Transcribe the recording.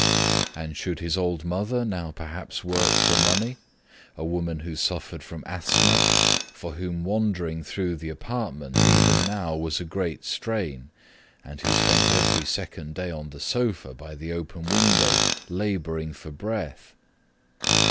And should his old mother now perhaps work for money, a woman who suffered from asthma, for whom wandering through the apartment even now was a great strain and who spent every second day on the sofa by the open window labouring for breath?